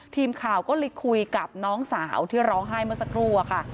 ทีมข่าวก็เลยคุยกับน้องสาวที่ร้องไห้เมื่อสักครู่อะค่ะ